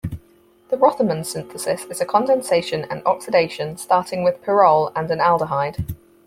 The Rothemund synthesis is a condensation and oxidation starting with pyrrole and an aldehyde.